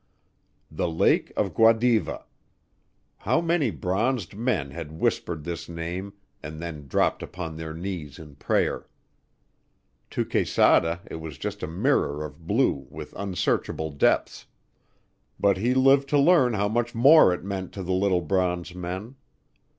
The lake of Guadiva! How many bronzed men had whispered this name and then dropped upon their knees in prayer. To Quesada it was just a mirror of blue with unsearchable depths, but he lived to learn how much more it meant to the lithe bronze men.